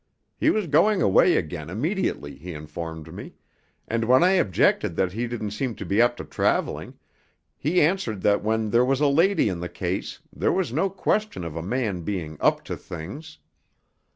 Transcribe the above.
He was going away again immediately, he informed me, and when I objected that he didn't seem up to travelling, he answered that when there was a lady in the case there was no question of a man being 'up to' things.